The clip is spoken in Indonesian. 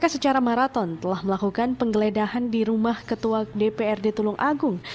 secara maraton telah melakukan penggeledahan di rumah ketua dprd tulung agung